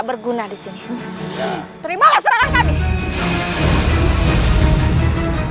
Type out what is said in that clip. sudah aku bilang